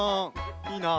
いいな。